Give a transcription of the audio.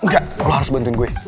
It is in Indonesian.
gak lo harus bantuin gue